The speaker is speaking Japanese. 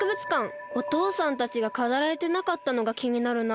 おとうさんたちがかざられてなかったのがきになるな。